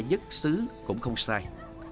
nên lẽ nhất xứ cũng không sai